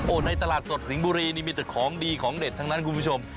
ในตลาดสดสิงห์บุรีนี่มีแต่ของดีของเด็ดทั้งนั้นคุณผู้ชม